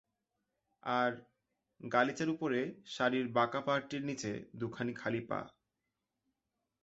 আর, গালিচার উপরে শাড়ির বাঁকা পাড়টির নীচে দুখানি খালি পা।